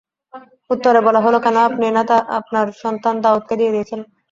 উত্তরে বলা হলো, কেন আপনি না তা আপনার সন্তান দাউদকে দিয়ে দিয়েছিলেন!